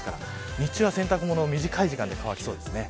日中は洗濯物も短い時間で乾きそうです。